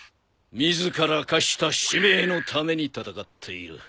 自ら課した使命のために戦っている。